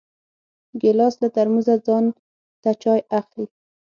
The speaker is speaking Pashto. ګیلاس له ترموزه ځان ته چای اخلي.